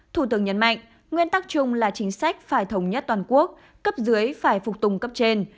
thủ tướng nhấn mạnh nguyên tắc chung là chính sách phải thống nhất toàn quốc cấp dưới phải phục tùng cấp trên